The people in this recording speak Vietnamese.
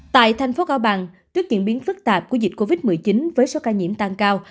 tại thành phố cao bằng trước diễn biến phức tạp của dịch covid một mươi chín với số ca nhiễm tăng cao